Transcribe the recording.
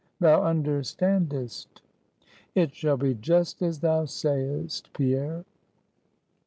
Thou understandest." "It shall be just as thou say'st, Pierre."